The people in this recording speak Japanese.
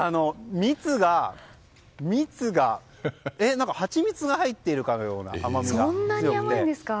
蜜が、ハチミツが入っているかのように甘みが強くて。